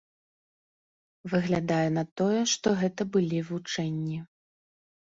Выглядае на тое, што гэта былі вучэнні.